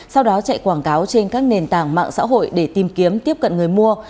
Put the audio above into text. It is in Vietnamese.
sau đó chạy quảng cáo trên các nền tảng mạng xã hội để tìm kiếm tiếp cận người mua